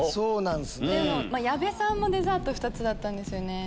でも矢部さんもデザート２つだったんですよね。